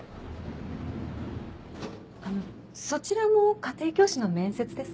あのそちらも家庭教師の面接ですか？